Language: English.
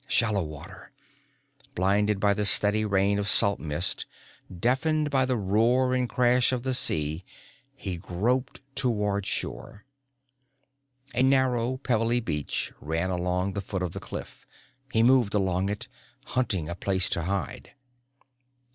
Shallow water. Blinded by the steady rain of salt mist, deafened by the roar and crash of the sea, he groped toward shore. A narrow pebbly beach ran along the foot of the cliff. He moved along it, hunting a place to hide.